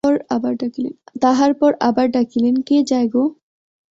তাহার পর আবার ডাকিলেন, কে যায় গো।